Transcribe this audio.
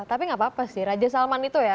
tapi nggak apa apa sih raja salman itu ya